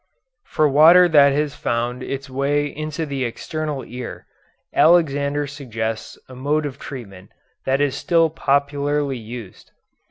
For water that has found its way into the external ear, Alexander suggests a mode of treatment that is still popularly used.